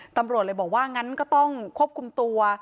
ตำรวจเลยบอกว่างั้นก็ต้องควบคุมตัว